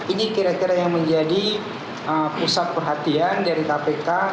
ini kira kira yang menjadi pusat perhatian dari kpk